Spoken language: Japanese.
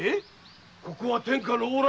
ここは天下の往来。